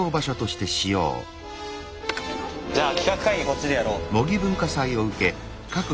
じゃあ企画会議こっちでやろう。